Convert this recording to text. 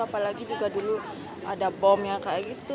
apalagi juga dulu ada bom yang kayak gitu